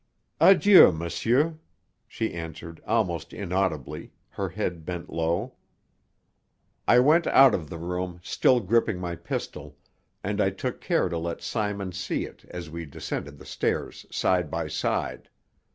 "Adieu, monsieur," she answered almost inaudibly, her head bent low. I went out of the room, still gripping my pistol, and I took care to let Simon see it as we descended the stairs side by side.